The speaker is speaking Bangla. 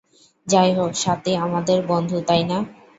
যাইহোক স্বাতী আমাদের বন্ধু, তাই না?